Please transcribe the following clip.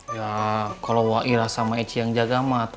ya kalau waira sama eci yang jaga mat